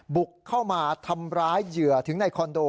บุกเข้ามาทำร้ายเหยื่อถึงในคอนโด